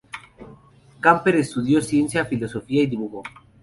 Camper estudió Ciencia, Filosofía y Dibujo.